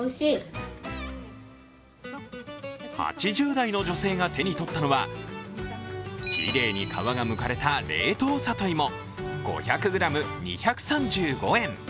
８０代の女性が手にとったのは、きれいに革がむかれた冷凍里芋、５００ｇ２３５円。